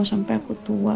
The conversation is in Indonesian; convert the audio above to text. sampai aku tua